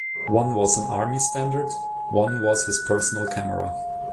One was an Army standard; one was his personal camera.